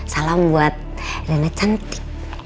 salam buat irina cantik